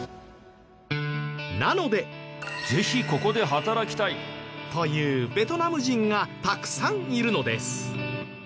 なのでぜひここで働きたいというベトナム人がたくさんいるのです。